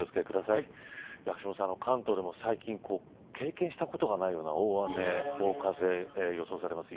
橋下さん、関東でも最近経験したことがないような大雨や大風、予想されます。